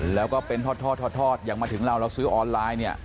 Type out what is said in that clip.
แล้วก็เป็นทอดอย่างมาถึงเราเราซื้อออนไลน์เนี่ย